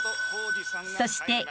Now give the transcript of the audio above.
［そして］